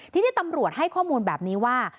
ทีนี้ตำรวจให้ข้อมูลแบบนี้ว่า